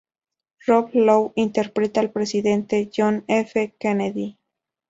Rob Lowe interpreta al presidente John F. Kennedy.